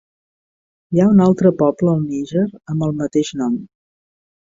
Hi ha un altre poble al Níger amb el mateix nom.